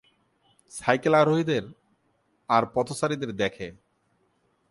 Cycle আরোহীদের আর পথচারীদের দেখে!